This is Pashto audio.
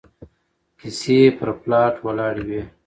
کيسې پر پلاټ ولاړې وي